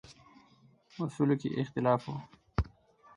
اصولو کې اختلاف و.